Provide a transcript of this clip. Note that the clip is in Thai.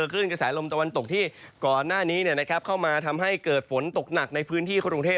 กระแสลมไฟตะวันตกที่ก่อนหน้านี้